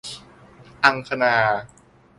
อังคณา